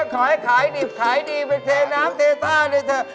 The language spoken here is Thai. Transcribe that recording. ขายดีไปเทน้ำเทสาน้ำสิเธอ